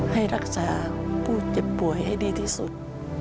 ให้รักษาผู้เจ็บป่วยให้ดีที่สุด